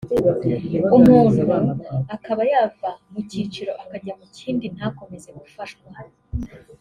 umuntu akaba yava mu cyiciro akajya mu kindi ntakomeze gufashwa